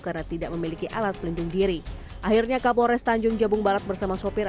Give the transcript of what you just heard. karena tidak memiliki alat pelindung diri akhirnya kapolres tanjung jabung barat bersama sopir